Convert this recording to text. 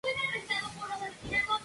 Tienen dos hijos y dos nietos.